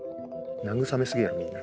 慰め過ぎやみんな。